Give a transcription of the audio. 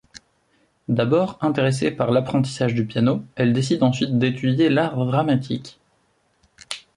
D'abord intéressée par l'apprentissage du piano, elle décide ensuite d'étudier l'art dramatique.